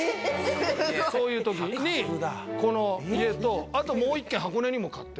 そういうときにこの家とあともう１軒箱根にも買ってるの。